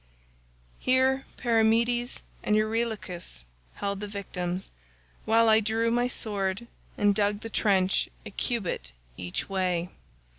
"Here Perimedes and Eurylochus held the victims, while I drew my sword and dug the trench a cubit each way.